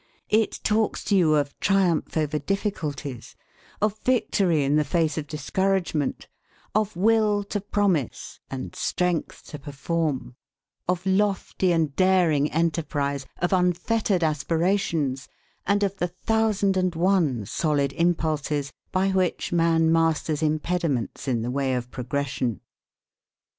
It talks to you of triumph over difficulties, of victory in the face of discouragement, of will to promise and strength to perform, of lofty and daring enterprise, of unfettered aspirations, and of the thousand and one solid impulses by which man masters impediments in the way of progression."